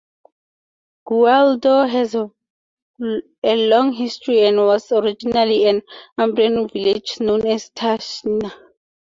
Gualdo has a long history and was originally an Umbrian village known as Tarsina.